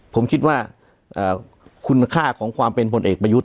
ผมคิดว่าคุณค่าของความเป็นผลเอกประยุทธ์